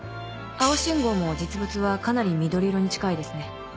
青信号も実物はかなり緑色に近いですね。